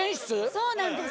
そうなんです